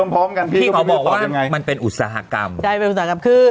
พี่เขาบอกว่ามันเป็นอุตสาหกรรม